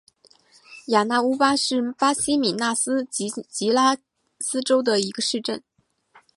雅纳乌巴是巴西米纳斯吉拉斯州的一个市镇。